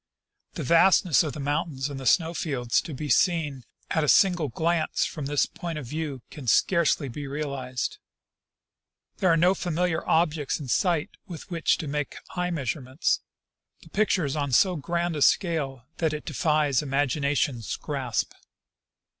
The vastness of the mountains and the snow fields to be seen at a single glance from this point of view can scarcely be realized. There are no familiar objects in sight with which to make eye measurements ; the pic ture is on so grand a scale that it defies imagination's grasp."